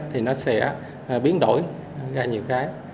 thì nó sẽ biến đổi ra nhiều cái